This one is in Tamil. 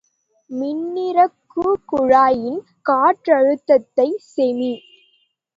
மின்னிறக்குக்குழாயின் காற்றழுத்தத்தை செ.மீ.